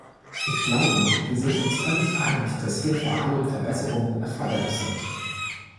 Ich glaube, wir sind uns völlig einig, dass hier vor allem Verbesserungen erforderlich sind.